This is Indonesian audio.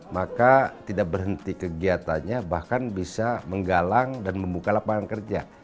maka tidak berhenti kegiatannya bahkan bisa menggalang dan membuka lapangan kerja